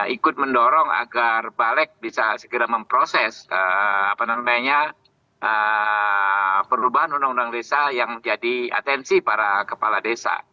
ikut mendorong agar balik bisa segera memproses perubahan undang undang desa yang menjadi atensi para kepala desa